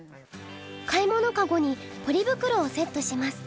買いものカゴにポリ袋をセットします。